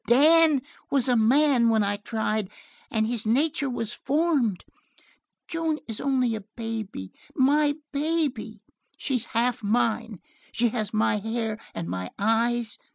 "Dan was a man when I tried, and his nature was formed. Joan is only a baby my baby. She's half mine. She has my hair and my eyes."